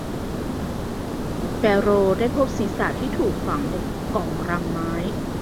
แปโรได้พบศีรษะที่ถูกฝังในกล่องลังไม้